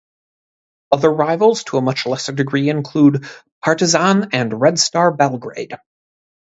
Other rivals to a much lesser degree include Partizan and Red Star Belgrade.